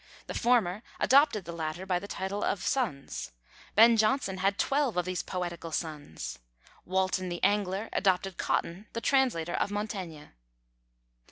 The former adopted the latter by the title of sons. Ben Jonson had twelve of these poetical sons. Walton the angler adopted Cotton, the translator of Montaigne.